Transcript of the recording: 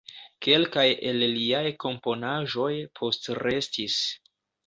Kelkaj el liaj komponaĵoj postrestis.